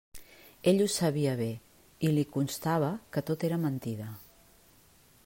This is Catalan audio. Ell ho sabia bé, i li constava que tot era mentida.